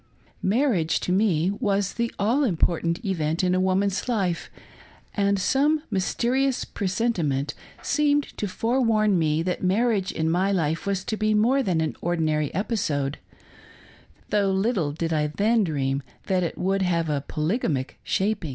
Marriage, to me, was the all important event in a woman's life, and some mysterious presentiment seemed to forewarn me that marriage in my life was to be more than an ordinary episode — though little did I then dream that it would have a polygamic shaping.